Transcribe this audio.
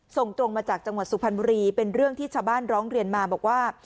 ส่งตรงมาจากจังหวัดสุพรรณบุรีเป็นเรื่องที่ชาวบ้านร้องเรียนมาบอกว่า